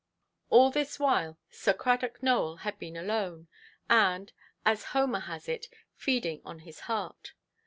All this while, Sir Cradock Nowell had been alone; and, as Homer has it, "feeding on his heart".